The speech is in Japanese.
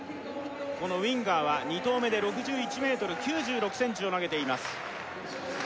このウィンガーは２投目で６１ｍ９６ｃｍを投げています